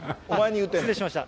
失礼しました。